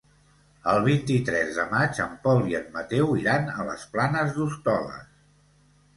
El vint-i-tres de maig en Pol i en Mateu iran a les Planes d'Hostoles.